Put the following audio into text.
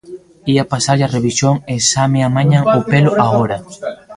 Ía pasarlle a revisión e xa me amañan o pelo agora.